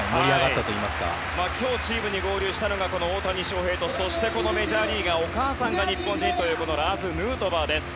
今日チームに合流したのが大谷翔平とそしてメジャーリーガーお母さんが日本人というラーズ・ヌートバーです。